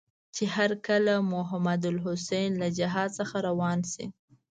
چې هرکله محمودالحسن له حجاز څخه روان شي.